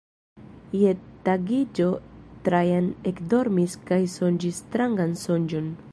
Je tagiĝo Trajan ekdormis kaj sonĝis strangan sonĝon.